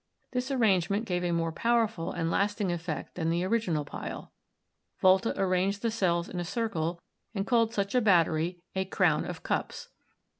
This arrangement gave a more powerful and lasting effect than the original pile. Volta arranged the cells in a circle and called such a battery a "crown of cups."